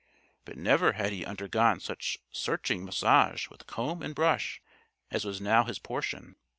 But never had he undergone such searching massage with comb and brush as was now his portion.